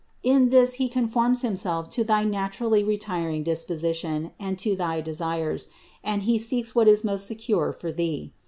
In this He conforms Himself to thy naturally retiring disposition and to thy desires, and He seeks what is most secure for thee.